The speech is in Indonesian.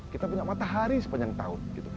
kita punya matahari sepanjang tahun